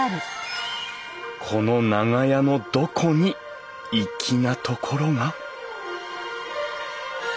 この長屋のどこに粋なところが？